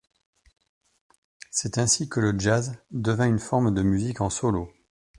C'est ainsi que le jazz devint une forme de musique en solo.